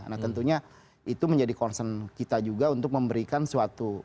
nah tentunya itu menjadi concern kita juga untuk memberikan suatu